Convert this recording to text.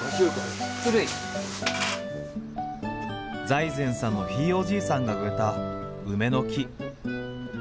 財前さんのひいおじいさんが植えた梅の木。